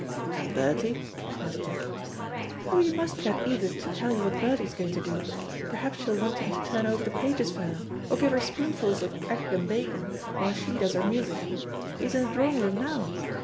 "And Bertie?" asked Jack. "Oh, you must get Edith to tell you what Bertie's going to do. Perhaps she'll want him to turn over the pages for her, or give her spoonfuls of egg and bacon, while she does her music. He's in the drawing room now.